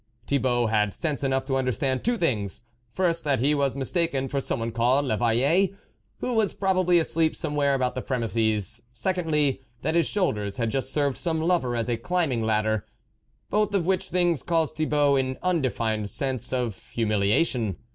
Thibault had sense enough to under stand two things : first, that he was mis taken for someone called 1'Eveille, who was probably asleep somewhere about the premises ; secondly, that his shoulders had just served some lover as a climbing ladder; both of which things caused Thibault an undefined sense of humilia tion.